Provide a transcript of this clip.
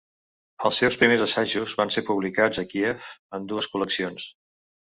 Els seus primers assajos van ser publicats a Kíev en dues col·leccions.